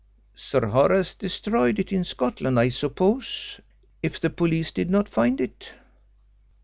"Sir Horace destroyed it in Scotland, I suppose, if the police did not find it."